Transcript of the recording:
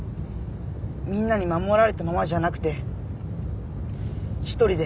みんなに守られたままじゃなくて１人で。